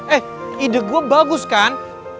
eh ide gue bagus kan